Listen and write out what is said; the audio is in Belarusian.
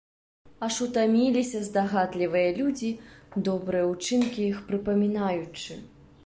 Аж утаміліся здагадлівыя людзі, добрыя ўчынкі іх прыпамінаючы.